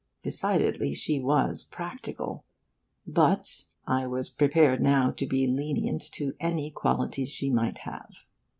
Decidedly, she was 'practical,' but I was prepared now to be lenient to any quality she might have.